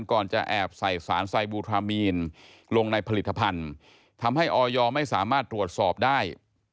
ก่อนจะแอบใส่สารไซบูทรามีนลงในผลิตภัณฑ์ทำให้ออยไม่สามารถตรวจสอบได้